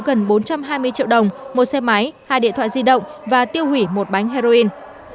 gần bốn trăm hai mươi triệu đồng một xe máy hai điện thoại di động và tiêu hủy một bánh heroin